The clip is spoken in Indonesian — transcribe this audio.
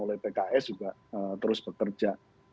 oleh pks juga terus bekerja